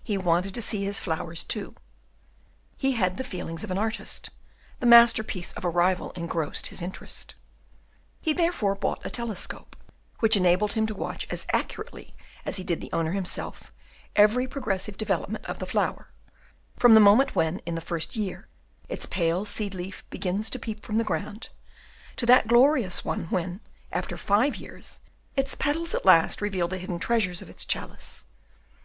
He wanted to see his flowers, too; he had the feelings of an artist, the master piece of a rival engrossed his interest. He therefore bought a telescope, which enabled him to watch as accurately as did the owner himself every progressive development of the flower, from the moment when, in the first year, its pale seed leaf begins to peep from the ground, to that glorious one, when, after five years, its petals at last reveal the hidden treasures of its chalice.